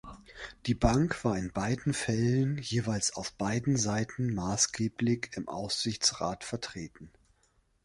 Die Bank war in beiden Fällen jeweils auf beiden Seiten maßgeblich im Aufsichtsrat vertreten.